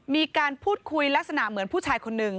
มีการพูดคุยลักษณะเหมือนผู้ชายคนหนึ่ง